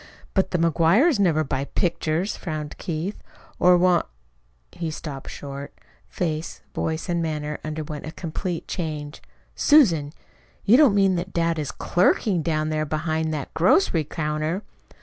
"But the McGuires never buy pictures," frowned Keith, "or want " He stopped short. Face, voice, and manner underwent a complete change. "Susan, you don't mean that dad is CLERKING down there behind that grocery counter!"